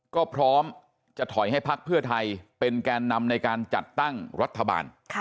ก็พร้อมจะถอยให้พักเพื่อไทยเป็นแกนนำในการจัดตั้งรัฐบาล